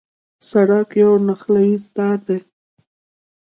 سړک یو نښلوی تار دی.